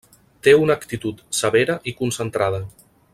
Té una actitud severa i concentrada.